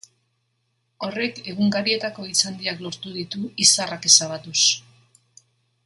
Horrek egunkarietako hitz handiak lortu ditu izarrak ezabatuz.